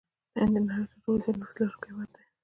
هند د نړۍ ترټولو زيات نفوس لرونکي هېواد دي.